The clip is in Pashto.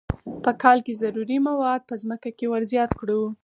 په کال کې ضروري مواد په ځمکه کې ور زیات کړو.